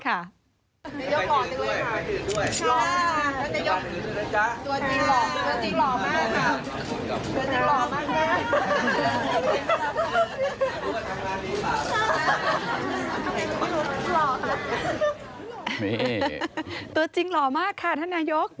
นี่ตัวจริงหล่อมากค่ะท่านนายก